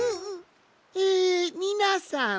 えみなさん！